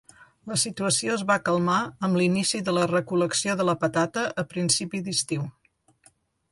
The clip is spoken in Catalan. La situació es va calmar amb l'inici de la recol·lecció de la patata a principi d'estiu.